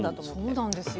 そうなんですよ。